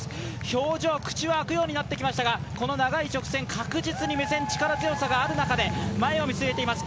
表情は口が開くようになってきましたがこの長い直線、確実に目線力強さがある中で前を見据えています。